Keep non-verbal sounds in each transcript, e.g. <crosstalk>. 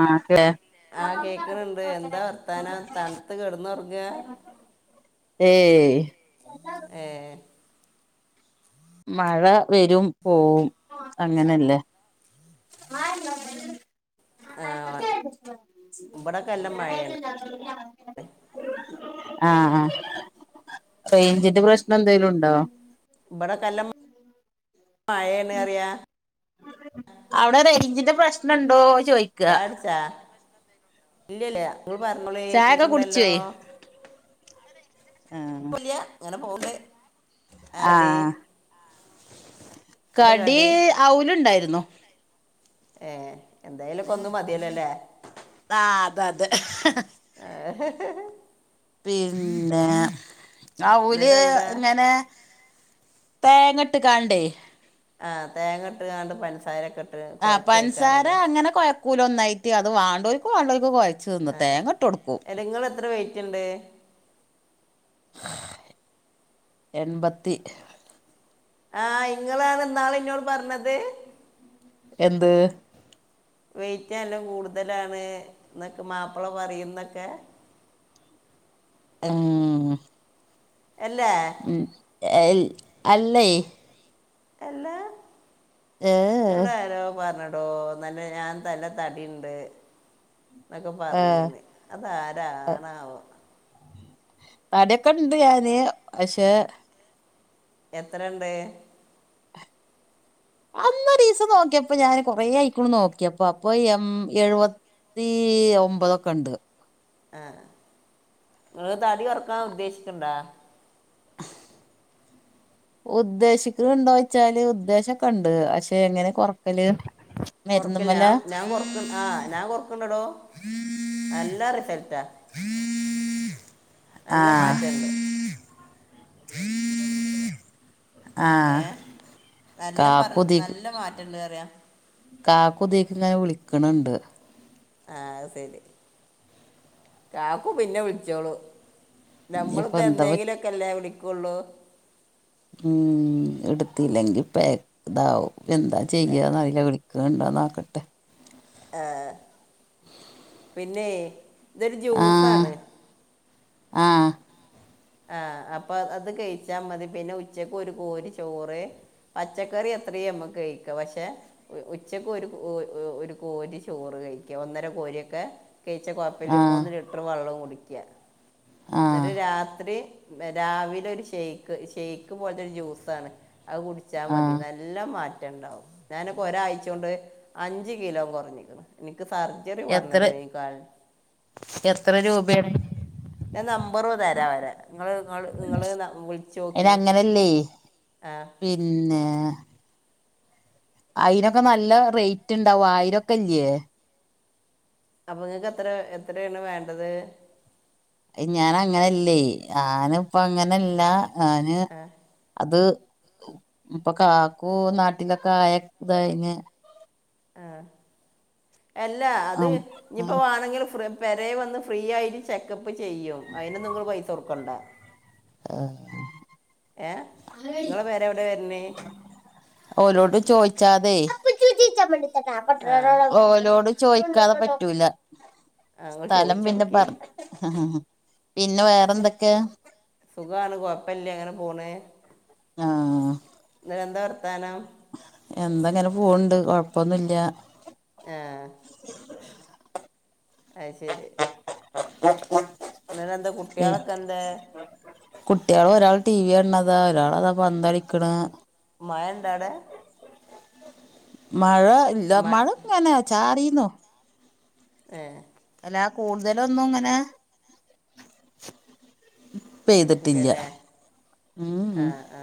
ആഹ് <unintelligible> ആഹ് കേക്ക്ണ്ണ്ണ്ട് എന്താ വർത്താനം തണുത്ത് കെടന്നൊറങ്ങ ഏയ് ഏഹ് മഴ വരും പോവും അങ്ങനെല്ലേ ആ ഇവിടെ കല്ലം മഴയാണ് <unintelligible> ആഹ് ആഹ് റെയ്ഞ്ചിന്റെ പ്രശ്നം എന്തെങ്കലും ഉണ്ടോ? ഇബടക്കേ നല്ലം മഴയെണറിയ അവിടെ റെയ്ഞ്ചിന്റെ പ്രശ്നം ഉണ്ടോന് ചോയ് ചായടിച്ചാ ഇല്ലല്ല ങ്ങൾ പറഞ്ഞോളി ചായൊക്കെ കേക്കണ്ടല്ലോ കുടിച്ചോയി ആഹ് കുഴപ്പുല്ല ഇങ്ങനെ പോവുണ്ട് കടി ആഹ് എന്താ കടി അവുലുണ്ടായിരുന്നു ഏഹ് എന്തെലൊക്കെ ഒന്ന് മതിയല്ലോല്ലെ? ആഹ് അത അതെ <unintelligible> പിന്നെ അവുല് എന്നിട്ട് എന്താ ഇങ്ങനെ. തേങ്ങട്ട്കാണ്ടേ. ആഹ് തേങ്ങ ഇട്ട്ങ്ങാണ്ട് പൻസാരെക്കട്ട്. ആ പൻസാര അങ്ങനെ കൊയക്കൂല ഒന്നായിട്ട് അത് വാണ്ടോൽക്ക് വാണ്ടോൽക്ക് കൊയ ചെന്ന് തേങ്ങട്ടൊടുക്കും. അല്ലങ്ങള് എത്ര വൈറ്റ്ണ്ട്. എൺപത്തി. ആഹ് ഇങ്ങളാണ്ന്നാളിന്നോട് പറഞ്ഞത്. എന്ത്. വെയിറ്റ് നല്ല കൂടുതലാണ് എന്നൊക്കെ മാപ്പിള പറയുന്നൊക്കെ. ആഹ് ഉം. അല്ലേ. ഉം ഏയ് അല്ലേയ് അല്ല എന്ന് ഏ ന്നോടാരോ പറഞ്ഞ. ട്ടോ തന്നെ ഞാനല്ല തടിണ്ട്. ന്നൊക്കെ ആഹ് പറഞ്ഞീന്ന് അതാരാണാവോ. തടിക്കെണ്ട് ഞാന് പഷേ എത്രണ്ട് അന്നൊരീസം നോക്ക്യേപ്പ ഞാന് കൊറേഅയിക്ണു നോക്യേപ്പൊ അപ്പോ എം എഴുവ ത്തി ഒമ്പതൊക്കെണ്ട്. ആഹ് ങ്ങള് തടി കൊറക്കാ ഉദ്ദേശിക്കണ്ടാ ഉദ്ദേശിക്ക്ണ്ടോയ്ച്ചാല് ഉദ്ദേശൊക്കണ്ട് പഷേ എങ്ങനെ കൊറക്കല്. കൊറക്കില്ല മരുന്നുമ്മല ഞാം ആ ഞാം കൊറക്ണ്ട് ഞാൻ കൊറക്ണ്ടടോ നല്ല റിസൾട്ടാ. മ്മ നല്ല മാറ്റണ്ട്. ആഹ് ഏഹ് നല്ല പറ നല്ല മാറ്റണ്ട്റയാ. കാക്കുദിക്ക്ന്ന് വിളിക്ക്ണണ്ട്. ആഹ് സെരി കാക്കൂ പിന്നെ വിളിച്ചോളൂ. ഇനിയിപ്പോ നമ്മളിപ്പോ എന്താ പ എന്നേങ്കിലുക്കെല്ലേ വിളിക്കുള്ളൂ. ഉം എടുത്തില്ലങ്കി പാ ഇതാവും എന്താ ചെയ്യന്നറീല വിളി ക്ണ്ടോ നോക്കട്ടെ. ഏഹ് പിന്നെയ് ഇതൊരു ജ്യൂസാണ്. ആഹ് ആഹ് അപ്പോ അത് കയിച്ചാ മതി പിന്നെ ഉച്ചക്ക് ഒരു കോരി ചോറ് പച്ചക്കറി എത്രീംമ്മക്ക് കഴിക്കാ പഷേ ഉച്ചക്ക് ഒരു ഒരു കോരി ചോറ് കഴിക്കാ ഒന്നര കോരിയൊക്കെ കയിച്ച ആ കൊഴപ്പല്ല മൂന്ന് ലിറ്റർ വെള്ളോം കുടിക്കാ ആ ന്നിട്ട് രാ ത്രി രാവിലെ ഒരു ഷെക്ക് ഷെക്ക് പോലത്തൊരു ജ്യൂസാണ് അവ് കുടിച്ചാ ആ മതി നല്ല മാറ്റണ്ടാവും. ഞാനിപ്പോ ഒരാഴ്ച്ചോണ്ട് അഞ്ച് കിലോ കൊറഞ്ഞിക്ക്ണ് എനിക്ക് സർജറി എത്ര പറഞ്ഞതാ ഈ കാൽ എത്ര രൂപേണ് അയിന് ഞാ നമ്പറ് തര അവരെ ങ്ങള് ങ്ങള് അതിന് വിളിച്ചോക്കി അങ്ങനല്ലേ <inaudible> ആഹ് പിന്നെ അയിനൊക്കെ നല്ല റൈറ്റ്ണ്ടാവും ആയിരൊക്കെല്ല്യെ അപ്പോ ങ്ങക്ക് എത്ര എത്രണ് വേണ്ടത്? ഏയ്‌ ഞാനങ്ങനല്ലേ ഞാന്പ്പങ്ങനല്ല ഞാന് ആ അത് ഇപ്പോ കാക്കു നാട്ടിലൊക്കെ ആയ കഴിഞ്ഞ് ആഹ് എല്ല അത് ആ ഇഞ്ഞിപ്പോ വാണെങ്കില് ഫ്ര പെരേ വന്ന് ഫ്രീയായിട്ട് ചെക്കപ്പ് ചെയ്യും അയിന്നുങ്ങള് പൈസകൊടുക്കണ്ട. ആഹ് ഏഹ് ങ്ങളെ പെരെവടേ വര്ണെ ഓലോട് ചോയിച്ചാതെയ് ആ ഓലോട് ചോയീക്കാതെ പറ്റൂല ഞങ്ങൾ സ്ഥലം ചോദിച്ചു പിന്നെ നോക്കി പറ പിന്നെ വേറെന്തൊക്കേയാ സുഖാണ് കൊപ്പല്ലാ ങ്ങനെ പോണ് ആഹ് <unintelligible> എന്താ വർത്താനം? എന്താങ്ങനെ പോവ്ണ്ട് കൊഴപ്പൊന്നുല്ലാ ആഹ് അയ് ശെരി <inaudible> ന്ന്ടെന്താ കുട്ടിയളൊക്കെന്തേ? കുട്ടിയള് ഒരാള് ടി വി യാണ്താ ഒരാളതാ പന്തളിക്ക്ണ് മഴണ്ട അവ്ടെ മഴ ഇല്ല മ മഴങ്ങനെ ചാറീന്നു ഏഹ് അല്ലാ കൂടുതലൊന്നുംങ്ങനെ പെയ്തിട്ടില്ല ഇല്ലല്ലേ ഉം ആ ആ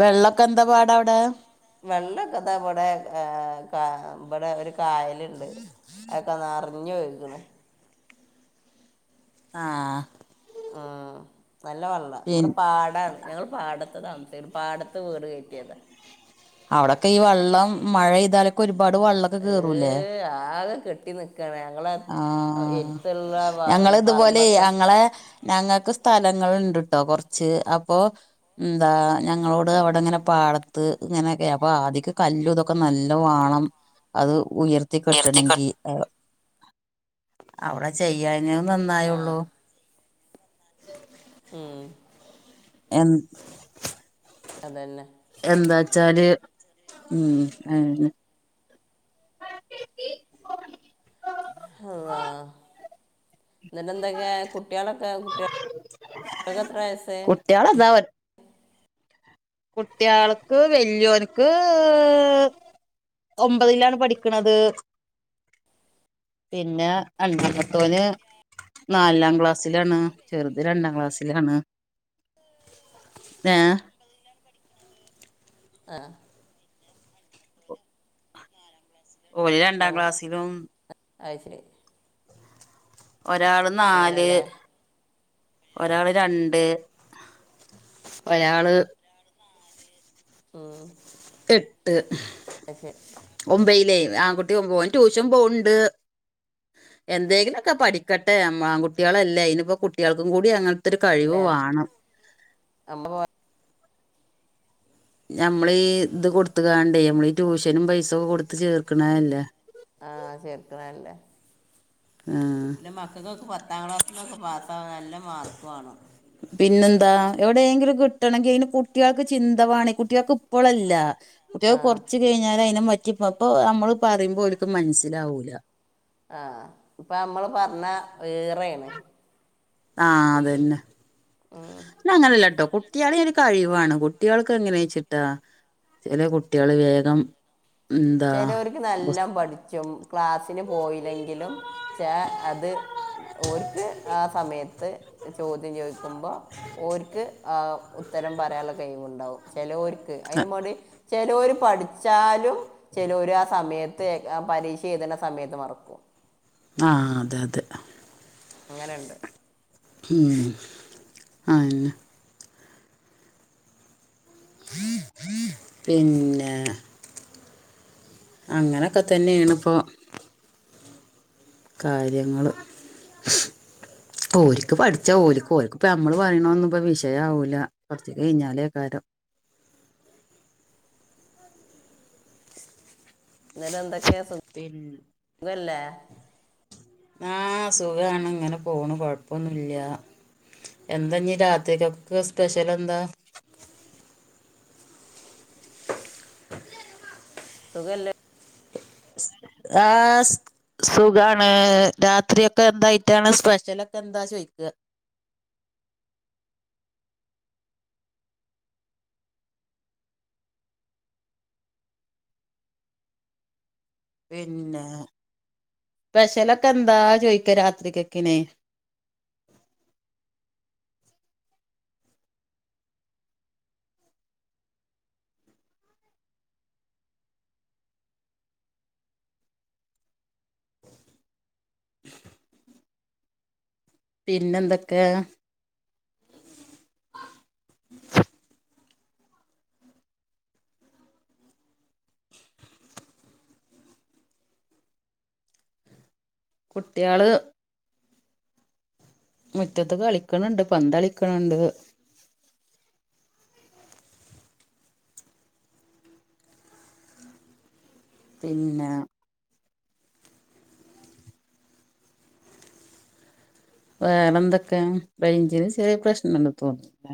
വെള്ളൊക്കെ എന്താ പാടവ്ടെ? വെള്ളൊക്കെ ധാ ഇവ്ടെ ഏഹ് കാ ഇവ്ടെ ഒരു കായലുണ്ട് അതൊക്കെ നറ ഞ്ഞോഴ്ക്ണ് ആഹ് ഉം നല്ല വള്ള പിൻ ഇവ്ടെ പാടാണ്. ഞങ്ങൾ പാടത്ത് താമസിക്കാണ് പാടത്ത് വീട് കേറ്റീയാത അവടൊക്കെ ഈ വെള്ളം മഴെയ്താല് ഒരുപാട് വള്ള ഈഹ് ആകെ കെട്ടിനി ക്കണ് ഞങ്ങളെ ആഹ് എര്ത്ത്ള്ള വ പറമ്പൊക്കാ ളേ ഞങ്ങക്ക് സ്ഥലങ്ങള്ണ്ട്ട്ടോ കൊറച്ച് അപ്പോ ഉം ന്താ ഞങ്ങളോട് അവ്ടാങ്ങനെ പാടത്ത് ങ്ങനൊക്കെ അപ്പൊ ആദ്യക്ക കല്ലുതൊ ക്കാ നല്ല വാണം അത് ഉയർത്തി ഉയർത്തിക്കൊണ്ട് കെട്ടണെങ്കി അവ്ട ചെയ്യാഞ്ഞെത് ആ നന്നായൊള്ളൂ. ഉം എൻ അതെന്നെ എന്താച്ചാല് ഉം ഈഹ് അനാ കീ കീ ഫോർ ഹള്ളാ ന്ന്ട്ട് എന്തൊക്കേ കുട്ടിയേളൊക്കെ കുട്ടി കെത്രാവയസ് ട്ട്യോളെന്ന <unintelligible> കുട്ട്യാൾക്ക് വല്യോന്ക്ക് ഒമ്പതിലാണ് പഠിക്ക്ണത്. പിന്നെ അണ്ടാമത്തോന് നാലാം ക്ലാസ്സിലാണ് ചെറ്ത് രണ്ടാം ക്ലാസ്സിലാണ്. <unintelligible> ആഹ് ഓര് രണ്ടാം ക്ലാസ്സിലും അയ് ശെരി ഒരാള് നാല് അങ്ങനല്ലേ ഒരാള് രണ്ട് ഒരാള് ഉം എട്ട് അശ്ശെ ഒമ്പയിലായ് ആങ്കുട്ടി ഒമ്പ് ഒൻ ട്യൂഷൻ പോണ്‌ണ്ട് എന്തെങ്കിലൊക്കെ പഠിക്കട്ടെ ആം ആൺകുട്ട്യോളല്ലേ അയ്നിപ്പോ കുട്ടികൾക്കും കൂടി അങ്ങാൻത്തൊരു കഴിവ് അല്ലേ വാണം <unintelligible> ഞമ്മളീ ഇത് കൊടുത്ത്കാണ്ടേ മ്മളീ ട്യൂഷനും പൈസ കൊടുത്ത് ചേർക്കണല്ലേ ആഹ് ചേർക്കണല്ലേ ആഹ് മക്കക്കൊക്ക് പത്താം ക്ലാസ്സ്ലൊക്കെ പാസ്സാവാ നല്ല മാർക്ക് വാണം പിന്നെന്താ എവിടേങ്കിലും കിട്ടണെങ്കി അയ്ന് കുട്ടികൾക്ക് ചിന്തവേണം ഈ കുട്ടികൾക്ക് ഇപ്പളല്ല ആ കുട്ടികക് കൊറച്ച് കയ്ഞ്ഞാലയ്നെമറ്റി പ്പപ്പൊ അമ്മള് പറയുമ്പോ ഓര്ക്കു മനസ്സിലാവൂല ആഹ് ഇപ്പൊ അമ്മള് പർണാ വേറേണ് ആഹ് അതെന്നെ ആഹ് ന്നങ്ങനെല്ലാട്ടോ കുട്ടികളെ ഒരു കഴിവാണ് കുട്ടികൾക്ക് എങ്ങനെ വെച്ചിട്ടാ ചെല കുട്ടികള് വേഗം എന്താ ചെലോര്ക്ക് നല്ല പുസ്ത പഠിചക്കും ക്ലാസിന് പോയില്ലെങ്കിലും ച അത് ഓര്ക്ക് ആ സമയത്ത് ചോദ്യം ചോയ് കുമ്പോ ഓര്ക്ക് ആ ഉത്തരം പറയാള്ള കയിവൊണ്ടാവും ചിലോര് ക്ക് അയ്ന്മടി ചെലോര് പഠിച്ചാലും ചെലോര് ആ സമയത്ത് ആ പരീക്ഷ എയ്തണ സമയത്ത് മറക്കും ആഹ് അതെതെ അങ്ങനെണ്ട് ഊം ആഹ് ന്നാ പിന്നെ അങ്ങനൊക്കെത്തന്നേണ്പ്പോ കാര്യങ്ങള് ഓല്ക്ക് പഠിച്ചാ ഓല്ക്ക് ഓൽക്കിപ്പ അമ്മള് പറയണ ഒന്നും പ്പ വിഷയാവൂല കൊറച്ച് കയ്ഞ്ഞാലേകാരം ന്നരം എന്തൊക്കെയാ സുഖ് പിന്നെ ഖല്ലേ ആഹ് സുഖാണ് ഇങ്ങനെ പോണ് കൊഴപ്പൊന്നുല്ല്യാ എന്താഞീ രാത്രിക്കൊക്കെ സ്പെഷ്യലെന്താ <unintelligible> സുഖല്ലെ സ് ആഹ് സു സുഖാണ് രാത്രിയൊക്കെ എന്തയ്റ്റാണ് സ്പെഷ്യലൊക്കെ എന്താ ചോയ്ക്കാ പിന്നെ സ്പെഷ്യലൊക്കെ എന്താ ചോയ്ക്കാ രാത്രിക്കക്കെനെ <inaudible> പിന്നെന്തൊക്കെ <inaudible> കുട്ടിയാള് മുറ്റത്ത് കളിക്കണണ്ട് പന്തളിക്കണണ്ട് പിന്നെ വേറെന്തൊക്കെ റെയ്ഞ്ചിന് ശെറിയ പ്രശ്നണ്ട്ന്ന് തോന്ന്